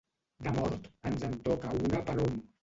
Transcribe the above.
De mort, ens en toca una per hom.